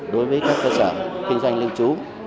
đối với các cơ sở kinh doanh lưu trú